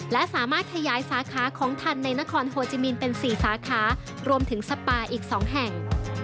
และสามารถขยายสาขาของทันในนครโฮจิมินเป็น๔สาขารวมถึงสปาอีก๒แห่ง